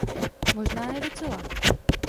Možná ne docela.